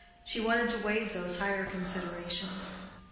She wanted to waive those higher considerations.